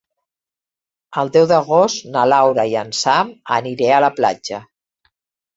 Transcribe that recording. El deu d'agost na Laura i en Sam aniré a la platja.